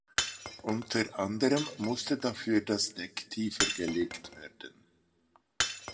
Unter anderem musste dafür das Deck tiefer gelegt werden.